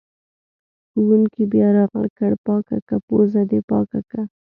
ښوونکي بیا راغږ کړ: پاکه که پوزه دې پاکه که!